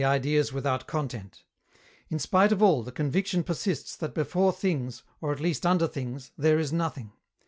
ideas without content; in spite of all, the conviction persists that before things, or at least under things, there is "Nothing."